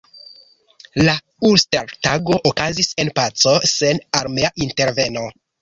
La Uster-Tago okazis en paco sen armea interveno.